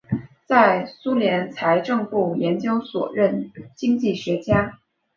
在苏联财政部研究所任经济学家。